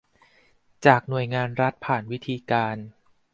จากหน่วยงานรัฐผ่านวิธีการ